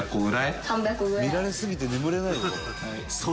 「見られすぎて眠れないよこれ」